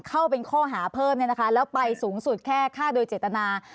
เข้าเป็นข้อหาเพิ่มเนี่ยนะคะแล้วไปสูงสุดแค่ฆ่าโดยเจตนา